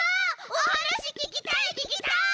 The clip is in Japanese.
おはなしききたいききたい！